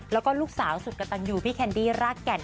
แล้วลูกสาวอาจอยู่พี่แคนดี้รากแก่น